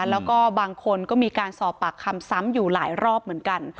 แล้วก็บางคนก็มีการสอบปากคำซ้ำอยู่หลายรอบเหมือนกัน